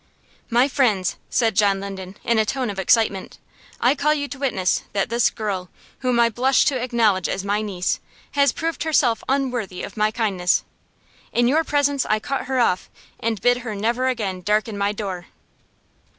"My friends," said John Linden, in a tone of excitement, "I call you to witness that this girl, whom I blush to acknowledge as my niece, has proved herself unworthy of my kindness. In your presence I cut her off, and bid her never again darken my door."